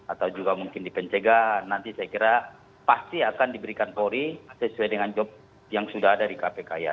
atau juga mungkin di pencegahan nanti saya kira pasti akan diberikan polri sesuai dengan job yang sudah ada di kpk ya